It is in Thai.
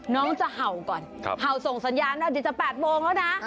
น้องจะเห่าก่อนเห่าส่งสัญญาณว่าเดี๋ยวจะ๘โมงแล้วนะ